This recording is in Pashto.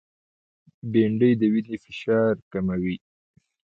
بېنډۍ د وینې فشار کموي